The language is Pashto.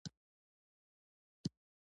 پنېر د زړو خلکو لپاره ښه خواړه ګڼل کېږي.